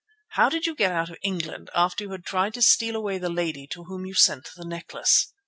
"How did you get out of England after you had tried to steal away the lady to whom you sent the necklace?